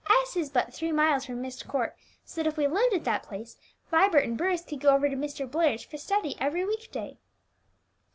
S is but three miles from Myst Court, so that if we lived at that place, Vibert and Bruce could go over to Mr. Blair's for study every week day."